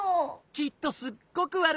きっとすっごくわるいやつだよ！